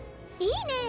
いいねえ！